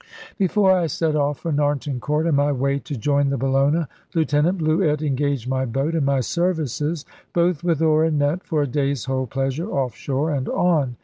Before I set off for Narnton Court, on my way to join the Bellona, Lieutenant Bluett engaged my boat and my services, both with oar and net, for a day's whole pleasure off shore and on.